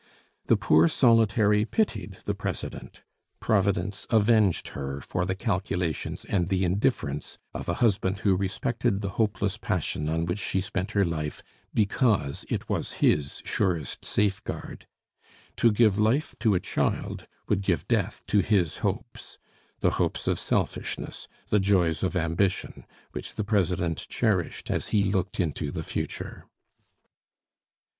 The poor solitary pitied the president. Providence avenged her for the calculations and the indifference of a husband who respected the hopeless passion on which she spent her life because it was his surest safeguard. To give life to a child would give death to his hopes, the hopes of selfishness, the joys of ambition, which the president cherished as he looked into the future.